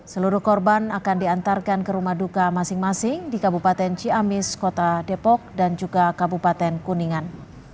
seluruh korban akan diantarkan ke rumah duka masing masing di kabupaten ciamis kota depok dan juga kabupaten kuningan